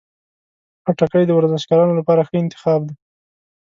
خټکی د ورزشکارانو لپاره ښه انتخاب دی.